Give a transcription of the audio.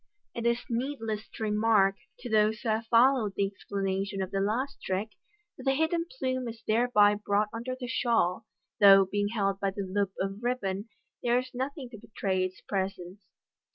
It is needless to remark, to those who have followed the explanation of the last trick, that the hidden plume is thereby brought under the shawl, though, being held by the loop of ribbon, there is nothing to betray its pre sence.